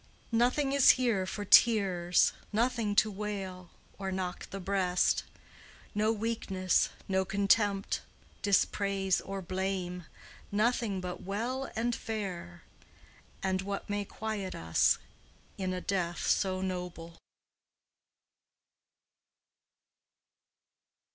"Nothing is here for tears, nothing to wail Or knock the breast; no weakness, no contempt, Dispraise or blame; nothing but well and fair, And what may quiet us in a death so noble."